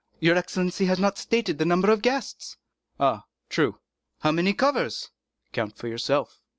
"Your excellency has not stated the number of guests." "Ah, true." "How many covers?" "Count for yourself."